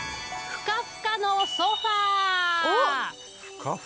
ふかふかのソファー？